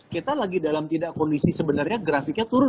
kita lagi dalam tidak kondisi sebenarnya grafiknya turun